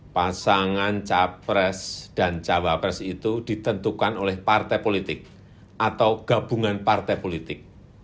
pasangan capres dan cawapres itu ditentukan oleh partai politik atau gabungan partai politik